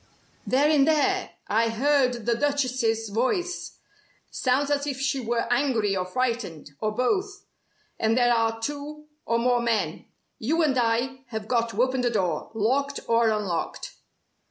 "They're in there! I heard the Duchess's voice. Sounds as if she were angry or frightened, or both. And there are two or more men. You and I have got to open the door, locked or unlocked."